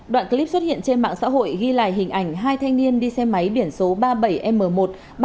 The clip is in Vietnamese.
đoạn clip xuất hiện trên mạng xã hội ghi lại hình ảnh hai thanh niên đi xe máy điển số ba mươi bảy m một trăm ba mươi năm nghìn tám trăm linh một